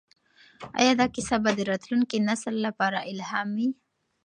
ایا دا کیسه به د راتلونکي نسل لپاره الهام وي؟